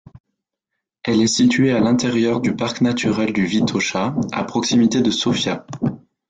Elle est située à l'intérieur du Parc Naturel du Vitocha, à proximité de Sofia.